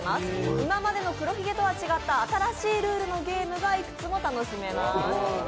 今までの黒ひげとは違った新しいルールのゲームを楽しめます。